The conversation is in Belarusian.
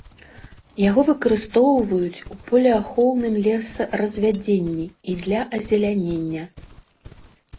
Яго выкарыстоўваюць у полеахоўным лесаразвядзенні і для азелянення.